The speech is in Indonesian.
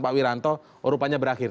pak wiranto rupanya berakhir